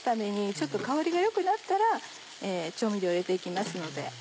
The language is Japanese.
ちょっと香りが良くなったら調味料入れて行きますので。